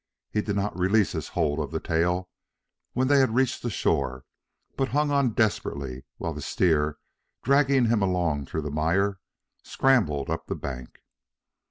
He did not release his hold of the tail when they had reached the shore, but hung on desperately while the steer, dragging him along through the mire, scrambled up the bank.